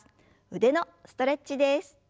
腕のストレッチです。